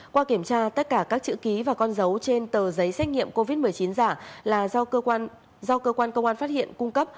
qua kiểm tra tất cả các chữ ký và con dấu trên tờ giấy xét nghiệm covid một mươi chín giả là do cơ quan công an phát hiện cung cấp